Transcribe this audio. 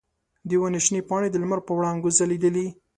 د ونې شنې پاڼې د لمر په وړانګو ځلیدلې.